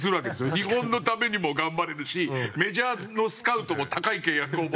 日本のためにも頑張れるしメジャーのスカウトも高い契約を持ってくるし。